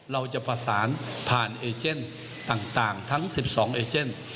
เราจะประสานผ่านเอเจนต่างทั้ง๑๒เอเจน